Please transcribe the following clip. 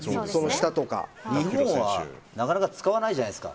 日本は、なかなか使わないじゃないですか。